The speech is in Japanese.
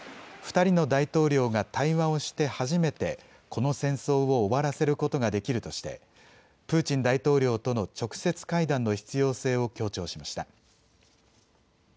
２人の大統領が対話をして初めてこの戦争を終わらせることができるとしてプーチン大統領との直接会談の必要性を強調しました。